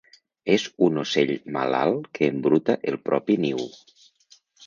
"És un ocell malalt que embruta el propi niu"